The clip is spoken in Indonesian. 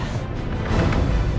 hebat juga ya part